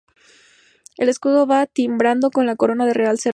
El escudo va timbrado con la corona real cerrada.